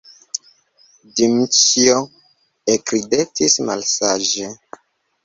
Dmiĉjo ekridetis malsaĝe.